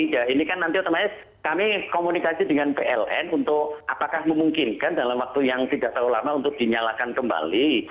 ya ini kan nanti otomatis kami komunikasi dengan pln untuk apakah memungkinkan dalam waktu yang tidak terlalu lama untuk dinyalakan kembali